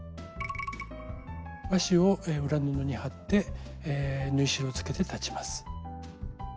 和紙を裏布に貼って縫い代をつけて裁ちます。